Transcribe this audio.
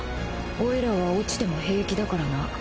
オイラは落ちても平気だからな。